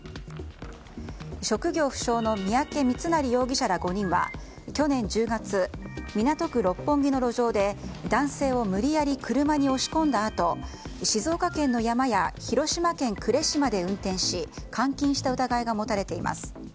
職業不詳の三宅三成容疑者ら５人は去年１０月、港区六本木の路上で男性を無理やり車に押し込んだあと静岡県の山や広島県呉市まで運転し監禁した疑いが持たれています。